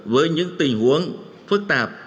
với những tình huống phức tạp